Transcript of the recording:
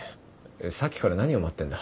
さっきから何を待ってんだ。